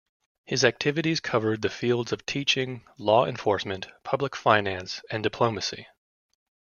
His activities covered the fields of teaching, law enforcement, public finance and diplomacy.